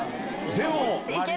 でも。